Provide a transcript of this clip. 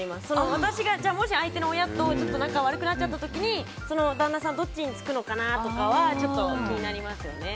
私がもし相手の親と仲が悪くなっちゃった時に旦那さんはどっちにつくのかなとかは気になりますよね。